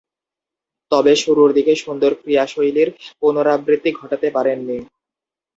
তবে, শুরুর দিকের সুন্দর ক্রীড়াশৈলীর পুণরাবৃত্তি ঘটাতে পারেননি।